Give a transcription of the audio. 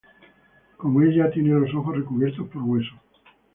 Como ella, tiene los ojos recubiertos por hueso.